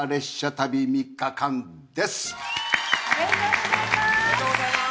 おめでとうございます。